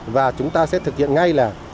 và chúng ta sẽ thực hiện ngay là